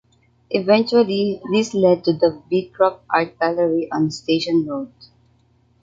Eventually, this led to the Beecroft Art Gallery on Station Road.